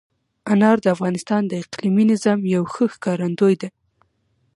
انار د افغانستان د اقلیمي نظام یوه ښه ښکارندوی ده.